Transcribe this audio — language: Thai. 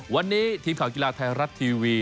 วันนี้ทีมข่าวกีฬาไทยรัฐทีวี